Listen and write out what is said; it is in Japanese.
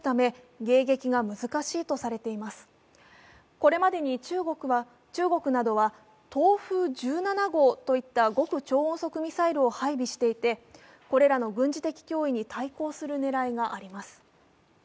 これまでに中国などは東風１７号といった極超音速ミサイルを配備していて、これらの軍事的脅威に対抗する狙いがあります